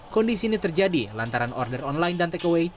kondisi ini terjadi lantaran order online dan takeaway